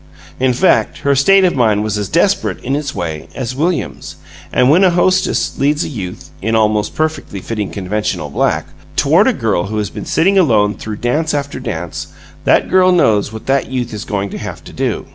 In fact, her state of mind was as desperate, in its way, as William's; and when a hostess leads a youth (in almost perfectly fitting conventional black) toward a girl who has been sitting alone through dance after dance, that girl knows what that youth is going to have to do.